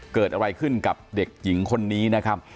เกิดอะไรขึ้นกับเด็กหญิงคนนี้นะครับ